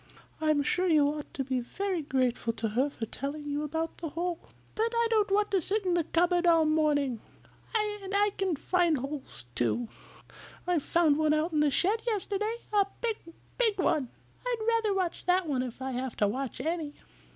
I'm sure you ought to be very grateful to her for telling you about the hole." "But I don't want to sit in the cupboard all morning. And I can find holes, too. I found one out in the shed yesterday. A big, big one. I'd rather watch that one if I have to watch any."